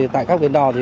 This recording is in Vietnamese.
tại các bến đò